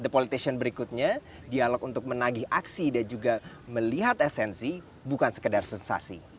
the politician berikutnya dialog untuk menagih aksi dan juga melihat esensi bukan sekedar sensasi